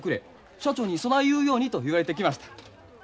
社長にそない言うようにと言われて来ました。